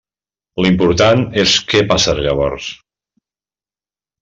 L'important és què passarà llavors.